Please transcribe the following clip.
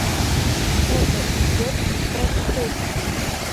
Это идет процессия.